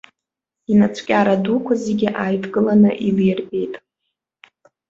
Инацәкьара дуқәа зегьы ааидкыланы илирбеит.